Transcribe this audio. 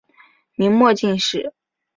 明末进士。